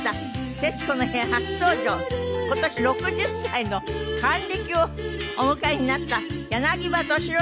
『徹子の部屋』初登場今年６０歳の還暦をお迎えになった柳葉敏郎さんです。